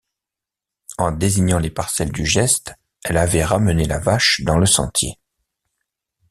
En désignant les parcelles du geste, elle avait ramené la vache dans le sentier.